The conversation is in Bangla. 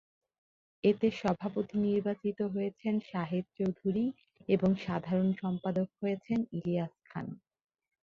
এতে সভাপতি নির্বাচিত হয়েছেন শাহেদ চৌধুরী এবং সাধারণ সম্পাদক হয়েছেন ইলিয়াস খান।